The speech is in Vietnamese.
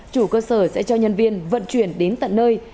chủ cơ sở sẽ cho nhân viên vận chuyển đến tận nơi